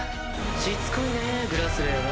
しつこいねグラスレーは。